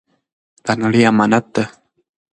دا نړۍ امانت ده.